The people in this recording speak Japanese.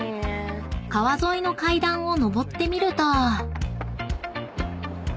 ［川沿いの階段を上ってみると］